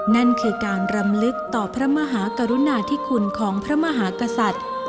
นั่นคือการรำลึกต่อพระมหากรุณาธิคุณของพระมหากษัตริย์